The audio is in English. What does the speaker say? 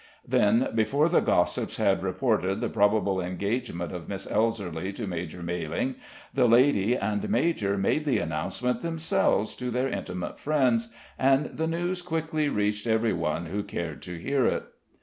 Then, before the gossips had reported the probable engagement of Miss Elserly to Major Mailing, the lady and major made the announcement themselves to their intimate friends, and the news quickly reached every one who cared to hear it.